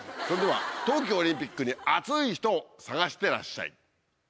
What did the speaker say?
それでは冬季オリンピックに熱い人を探してらっしゃい。